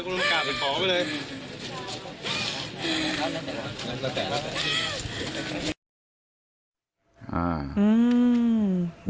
กราบเป็นของไปเลย